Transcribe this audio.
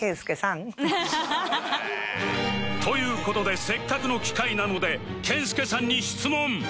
という事でせっかくの機会なので健介さんに質問